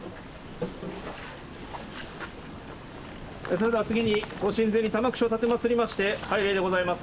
それでは次に御神前に玉串を奉りまして拝礼でございます。